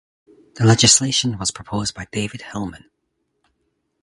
The legislation was proposed by David Hillman.